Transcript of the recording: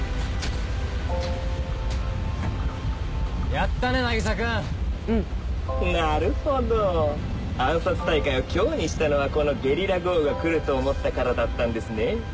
やったね渚君うんなるほど暗殺大会を今日にしたのはこのゲリラ豪雨が来ると思ったからだったんですねえ